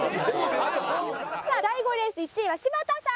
さあ第５レース１位は柴田さんでした。